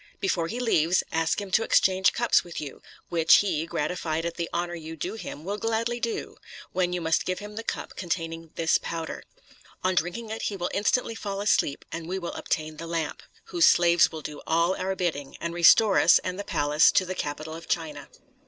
Before he leaves ask him to exchange cups with you, which he, gratified at the honor you do him, will gladly do, when you must give him the cup containing this powder. On drinking it he will instantly fall asleep, and we will obtain the lamp, whose slaves will do all our bidding, and restore us and the palace to the capital of China."